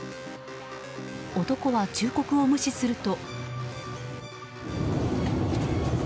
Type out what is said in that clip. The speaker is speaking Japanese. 男は忠告を無視すると。